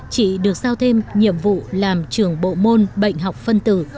chị được giao thêm nhiệm vụ làm trường bộ môn bệnh học phân tử